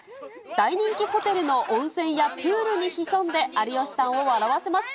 大人気ホテルの温泉やプールに潜んで有吉さんを笑わせます。